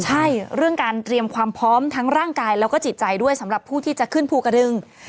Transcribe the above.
ใช่เรื่องการเตรียมความพร้อมทั้งร่างกายแล้วก็จิตใจด้วยสำหรับผู้ที่จะขึ้นภูกระดึง